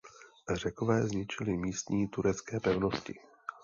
Řekové zničili místní turecké pevnosti.